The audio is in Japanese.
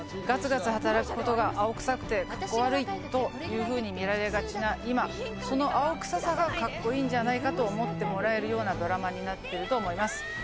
ガツガツ働くことが青臭くてカッコ悪いというふうに見られがちな今その青臭さがカッコいいんじゃないかと思ってもらえるようなドラマになってると思います。